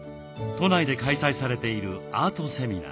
都内で開催されているアートセミナー。